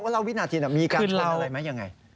เราวินาทีมีการชนอะไรไหมยังไง